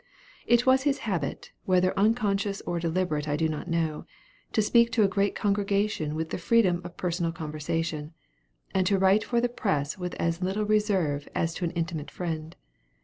It was his habit, whether unconscious or deliberate I do not know, to speak to a great congregation with the freedom of personal conversation, and to write for the press with as little reserve as to an intimate friend.